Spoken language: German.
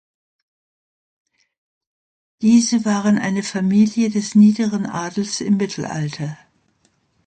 Diese waren eine Familie des niederen Adels im Mittelalter.